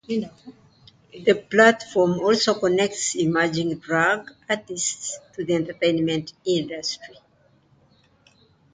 The platform also connects emerging drag artists to the entertainment industry.